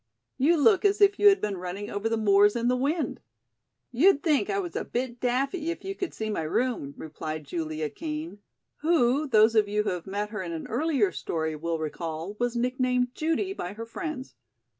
"You look as if you had been running over the moors in the wind." "You'd think I was a bit daffy if you could see my room," replied Julia Kean, who, those of you who have met her in an earlier story will recall, was nicknamed "Judy" by her friends.